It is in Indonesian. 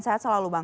sehat selalu bang